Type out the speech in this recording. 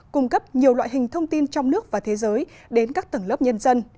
cung cấp nhiều loại hình thông tin trong nước và thế giới đến các tầng lớp nhân dân